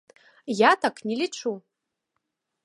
Я так не лічу.